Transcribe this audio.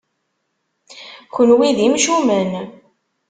Kenwi d imcumen!